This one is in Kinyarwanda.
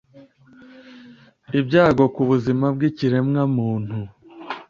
ibyago ku buzima bw’ikiremwamuntu.